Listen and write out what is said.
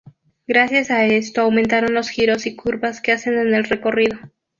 Gracias a esto aumentan los giros y curvas que hacen en el recorrido.